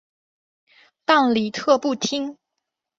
但李特不听。